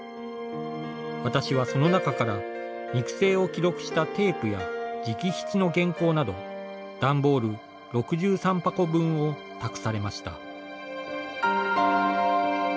私はその中から、肉声を記録したテープや直筆の原稿など段ボール６３箱分を託されました。